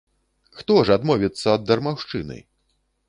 Хто ж адмовіцца ад дармаўшчыны!